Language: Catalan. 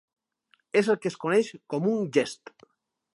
És el que es coneix com un gest.